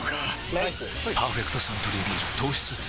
ライス「パーフェクトサントリービール糖質ゼロ」